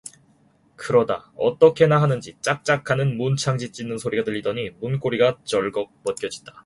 그러다 어떻게나 하는지 짝짝 하는 문창지 찢는 소리가 들리더니 문고리가 절걱 벗겨진다.